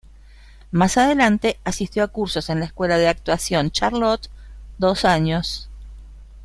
Más adelante asistió a cursos en la Escuela de actuación Charlot dos años.